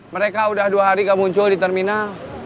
mereka udah dua hari gak muncul di terminal